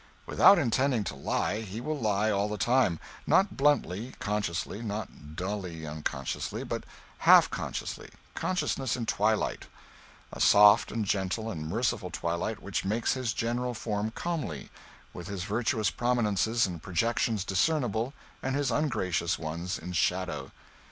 Without intending to lie he will lie all the time; not bluntly, consciously, not dully unconsciously, but half consciously consciousness in twilight; a soft and gentle and merciful twilight which makes his general form comely, with his virtuous prominences and projections discernible and his ungracious ones in shadow.